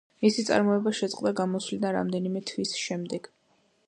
მისი წარმოება შეწყდა გამოსვლიდან რამდენიმე თვის შემდეგ.